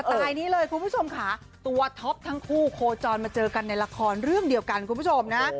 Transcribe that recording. ไตล์นี้เลยคุณผู้ชมค่ะตัวท็อปทั้งคู่โคจรมาเจอกันในละครเรื่องเดียวกันคุณผู้ชมนะ